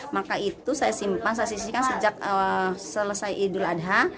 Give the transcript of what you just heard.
maka itu saya simpan saya sisihkan sejak selesai idul adha